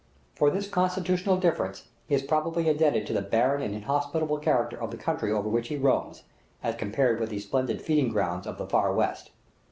For this constitutional difference, he is probably indebted to the barren and inhospitable character of the country over which he roams, as compared with the splendid feeding grounds of the Far West.